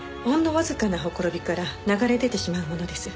わずかなほころびから流れ出てしまうものです。